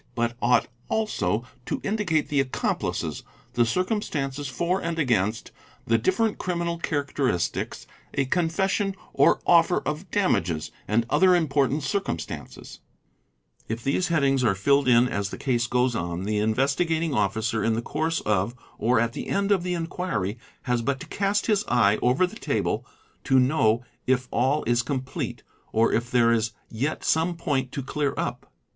"but ought also to indicate the accomplices, the circumstances for and against, the different criminal characteristics, a confession or offer of damages, and other important circumstances, If 4 50 | THE INVESTIGATING OFFICER these headings are filled in as the case goes on, the Investigating Officer — in the course of or at the end of the enquiry has but to cast his eye — over the table to know if all is complete or if there is yet some point to clear up.